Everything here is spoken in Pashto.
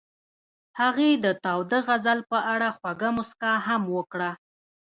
هغې د تاوده غزل په اړه خوږه موسکا هم وکړه.